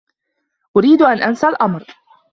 أريد أن أنسى الأمر.